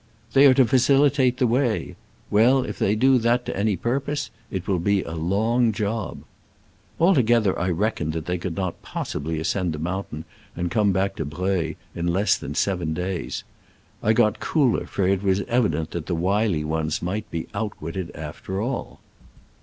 " They are to facilitate the way. Well, if they do that to any pur pose, it will be a long job." Altogether, I reckoned that they could not possibly ascend the mountain and come back to Breuil in less than seven days. I got cooler, for it was evident that the wily ones might be outwitted after all.